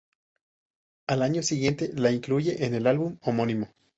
Al año siguiente la incluye en el álbum homónimo.